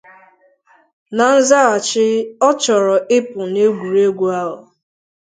Na nzaghachi, o chọrọ ịpụ na egwuregwu ahụ.